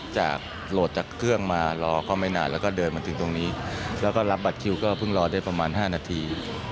จากโหลดจากเครื่องมารอเขาไม่นานแล้วก็เดินมาถึงตรงนี้